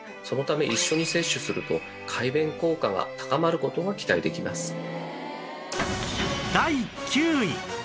そのため一緒に摂取すると快便効果が高まる事が期待できます。